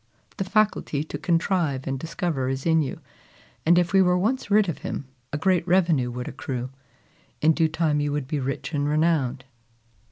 The faculty to contrive and discover is in you; and if we were once rid of him, a great revenue would accrue. In due time you would be rich and renowned."